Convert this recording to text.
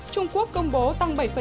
trung quốc công bố tăng bảy